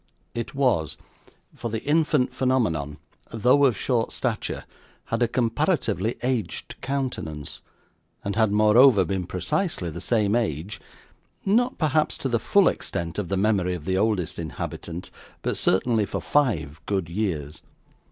It was; for the infant phenomenon, though of short stature, had a comparatively aged countenance, and had moreover been precisely the same age not perhaps to the full extent of the memory of the oldest inhabitant, but certainly for five good years.